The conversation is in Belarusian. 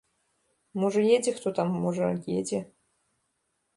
Можа, едзе хто там, можа, едзе.